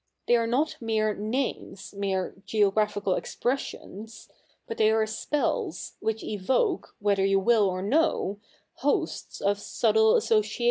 They are not mere names — mere geographical expressions : but they are spells which evoke, whether you will or no, hosts of subtle nssociat'.